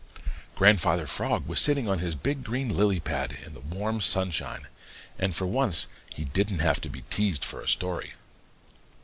Grandfather Frog was sitting on his big green lily pad in the warm sunshine, and for once he didn't have to be teased for a story.